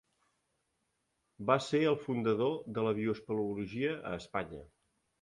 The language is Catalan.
Va ser el fundador de la bioespeleologia a Espanya.